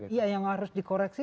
iya yang harus dikoreksi